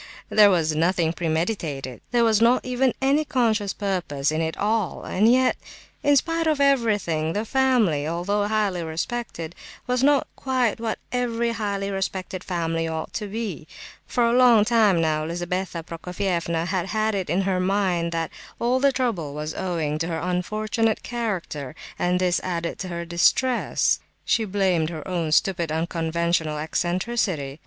There was nothing premeditated, there was not even any conscious purpose in it all, and yet, in spite of everything, the family, although highly respected, was not quite what every highly respected family ought to be. For a long time now Lizabetha Prokofievna had had it in her mind that all the trouble was owing to her "unfortunate character," and this added to her distress. She blamed her own stupid unconventional "eccentricity."